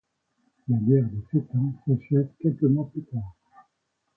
La guerre de sept ans s'achève quelques mois plus tard.